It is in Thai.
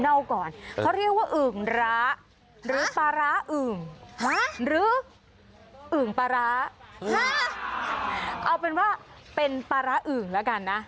ห๊ะหรืออึ่งปลาร้าห๊ะเอาเป็นว่าเป็นปลาร้าอึ่งแล้วกันนะ